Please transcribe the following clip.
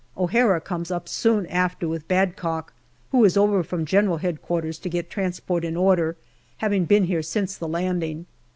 O'Hara comes up soon after with Badcock, who is over from G.H.Q. to get transport hi order, having been here since the landing.